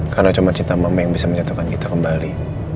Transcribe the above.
karena cuma cinta mama yang bisa menyatukan kita kembali